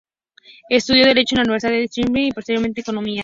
Estudió Derecho en la Universidad de Sídney y posteriormente Economía.